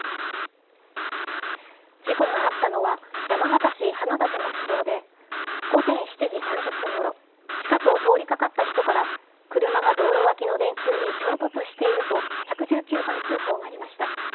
事故があったのは、山形市花楯の市道で、午前７時３０分ごろ、近くを通りかかった人から、車が道路脇の電柱に衝突していると、１１９番通報がありました。